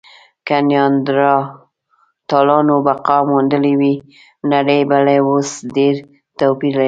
که نیاندرتالانو بقا موندلې وی، نړۍ به له اوس ډېر توپیر لرلی.